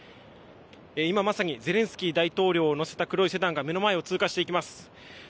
今まさにゼレンスキー大統領を乗せた黒いセダンが目の前を通過していきます。